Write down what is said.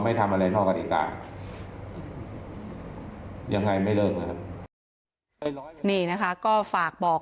ฟังท่านเพิ่มค่ะบอกว่าถ้าผู้ต้องหาหรือว่าคนก่อเหตุฟังอยู่